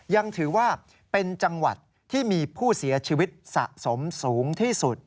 ยังถือว่าเป็นจังหวัดที่มีผู้เสียชีวิตสะสมสูงที่สุด